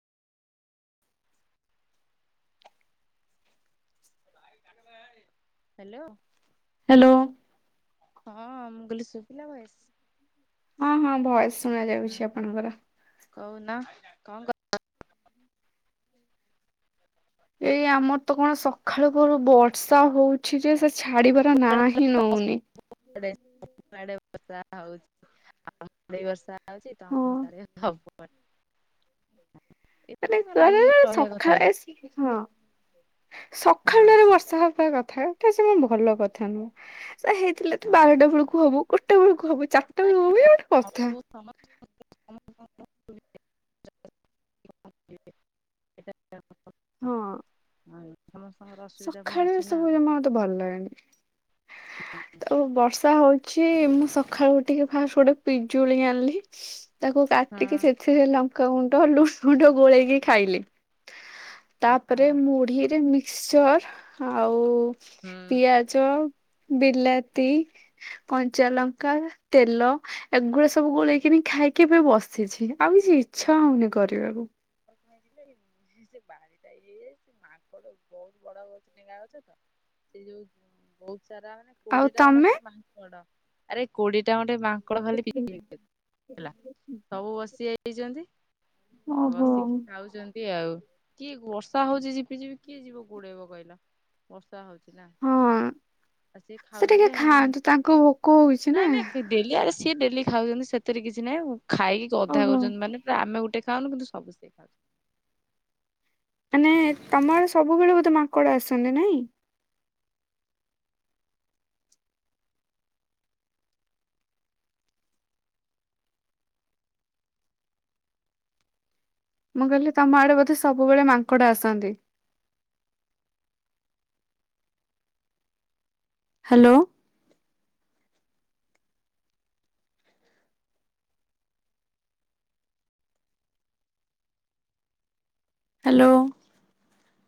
Hello. Hello. ହଁ ମୁଁ କହିଲି ସୁଭିଲା ଭଏସ? ହଁ ହଁ ଭଏସ୍? ହ ହ କହୁନା କଣ କ ଏଇ ଆମର ତ କଣ ସକାଳୁ ପହରୁ ବର୍ଷା ହଉଛି। ଅଛି ଯେ ସେ ଛାଡିବାର ନାହିଁ ନଉନି। [inaudible] ଡେ ବର୍ଷା ହଉଛି ଆଉ ହଁ ବର୍ଷା [inaudible] [unintelligible] ମାନେ ଏମିତି କଣ କହିବାକୁ ଗଲେ ଲାଗିକି ରହିବା କଥା ସକାଳେ କି ଆସିକି ହଁ, ସକାଳୁ ହଁ ଟାରୁ ବର୍ଷା ହବା କଥା। କଥା କଥା ସେ ଭଲ କଥା ନୁହଁ, ସେ ହେଇଥିଲେ ତ ହଁ ବାରଟା ବେଳକୁ ହବୁ। ଗୋଟେ ବେଳକୁ ହବ। ଚାରିଟା। [unintelligible] [unintelligible] [inaudible] ହଁ। ସମସ୍ତଙ୍କର ଅସୁବିଧା ପୁଣି ଅଛି ନା ଆଉ। ତ ଭଲ ଲାଗେନି। ହୁଁ ତ ବର୍ଷା ହଉଚି, ମୁଁ ସକାଳୁ ଉଠିକି ଫାଷ୍ଟ ଗୋଟେ ପିଜୁଳି ଆଣିଲି। ତାକୁ ହଁ କାଟିକି ସେଥିରେ ଲଙ୍କାଗୁଣ୍ଡ, ଲୁଣ ଗୁଣ୍ଡ ଗୋଳେଇକି ଖାଇଲି। ତାପରେ ହଁ ମୁଢିରେ ମିକ୍ସଚର ଆଉ ହୁଁ। ପିଆଜ ଚ ବିଲାତି କଞ୍ଚାଲଙ୍କା ତେଲ ଏଗୁଡା ସବୁ ଗୋଳେଇକିନି ଖାଇକି ଏବେ ବସିଛି ଆଉ କିଛି ଇଚ୍ଛା ହଉନି କରିବାକୁ। ଆଉ କଣ ଆଜି ଲେଇବୁ। ସେ ବାଡ଼ିିଟା ଇଏ ହେଇଯାଇଚି ମାଙ୍କଡ ବହୁତ ବଡ ଗଛ ଡେଙ୍ଗା ଗଛ ତ। ସେ ଯୋଉ ବହୁତ ସାରା ମାନେ ଆଉ କୋଡିଏଟା ତମେ? ଖଣ୍ଡେ ମାଙ୍କଡ ଆରେ କୋଡିଏଟା ଖଣ୍ଡେ ମାଙ୍କଡ ଖାଲି [unintelligible] ହେଲା ସବୁ ବସିଯାଇଛନ୍ତି। ଓହୋ। ବସିକି ଖାଉଛନ୍ତି ଆଉ କିଏ ବର୍ଷା ହଉଛି ଝିପିଝିପି କିଏ ଯିବ ଗୋଡେଇବ କହିଲ। ବର୍ଷା ହଉଛି ନା। ହଁ ଆସିକି ସେ ଟିକେ ଖାଉଥିଲେ ଆଉ ଖାଆନ୍ତୁ ତାଙ୍କୁ ଭୋକ ହଉଛି ନା ନା କେ ଡେଲି ଆରେ ସିଏ ଡେଲି ଖାଉଛନ୍ତି ସେଥିରେ କିଛି ନାହିଁ। ଖାଇକି ଗଧା ଓହୋ। କରୁଛନ୍ତି ମାନେ ଆମେ ଗୋଟେ ଖାଉନୁ କିନ୍ତୁ ସବୁ ସେ ଖାଉଚ ମାନେ ତମର ସବୁବେଳେ ବୋଧେ ମାଙ୍କଡ ଆସନ୍ତି ନାଇଁ। ମୁଁ କହିଲି ତମ ଆଡେ ବୋଧେ ସବୁବେଳେ ମାଙ୍କଡ ଆସନ୍ତି। ହାଲୋ। ହାଲୋ।